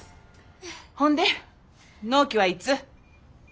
ほんで納期はいつ？